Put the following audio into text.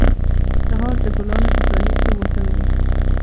سهار د ګلانو د پرانیستو موسم دی.